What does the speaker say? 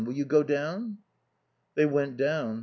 Will you go down?" They went down.